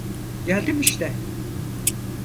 Geldim işte.